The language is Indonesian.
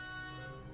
dan celana hitam